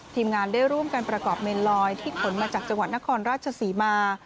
ทีมงานได้ร่วมกันประกอบเมนลอยที่ขนมาจากจังหวัดนครราชศรีมา